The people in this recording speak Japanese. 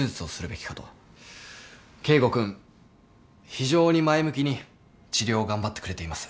非常に前向きに治療を頑張ってくれています。